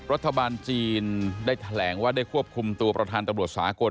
รัฐบาลจีนได้แถลงว่าได้ควบคุมตัวประธานตำรวจสากล